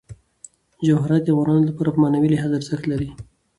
جواهرات د افغانانو لپاره په معنوي لحاظ ارزښت لري.